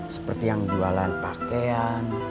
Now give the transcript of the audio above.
seperti yang jualan pakaian